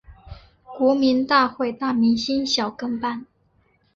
国民大会大明星小跟班